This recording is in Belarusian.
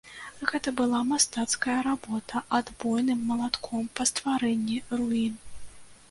Гэта была мастацкая работа адбойным малатком па стварэнні руін.